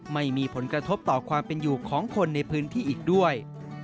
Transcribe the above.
ไม่มีผลกระทบต่อความเป็นอยู่ของคนในพื้นที่อีกด้วย